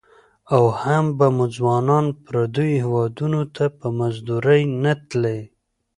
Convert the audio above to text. او هم به مو ځوانان پرديو هيوادنو ته په مزدورۍ نه تلى.